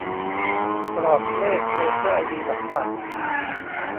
กรอกเลขเลเซอร์ไอดีหลังบัตร